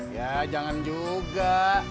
ya jangan juga